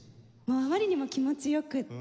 あまりにも気持ち良くて。